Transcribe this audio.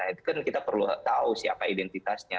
itu kan kita perlu tahu siapa identitasnya